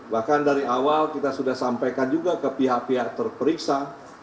bahkan dari awal kita sudah sampaikan juga ke pihak pihak terperiksa